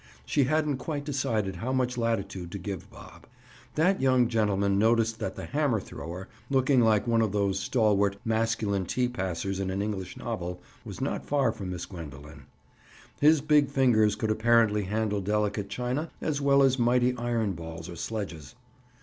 She hadn't quite decided how much latitude to give Bob. That young gentleman noticed that the hammer thrower, looking like one of those stalwart, masculine tea passers in an English novel, was not far from Miss Gwendoline. His big fingers could apparently handle delicate china as well as mighty iron balls or sledges.